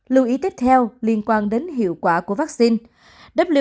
lưu ý tiếp theo liên quan đến hiệu quả của vaccine